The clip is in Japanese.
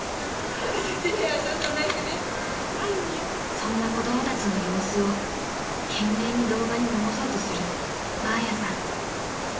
［そんな子供たちの様子を懸命に動画に残そうとするマーヤさん］